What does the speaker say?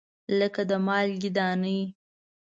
لګه د مالګې دانې